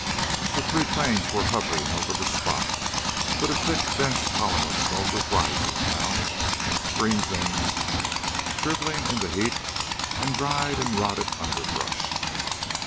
The three planes were hovering over the spot. But a thick dense column of smoke was rising, now. Green things shriveling in the heat, and dried and rotted underbrush.